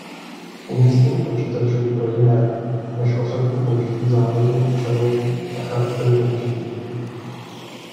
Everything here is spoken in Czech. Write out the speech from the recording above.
Umístění počítačů pro jiné než osobní použití záleží na účelu a charakteru použití.